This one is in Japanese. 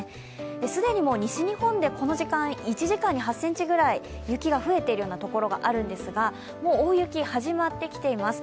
既に西日本でこの時間、１時間に８ｃｍぐらい雪が増えているような所があるんですが、もう大雪、始まってきています。